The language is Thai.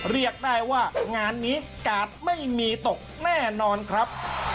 เรียกได้ว่างานนี้กาดไม่มีตกแน่นอนครับ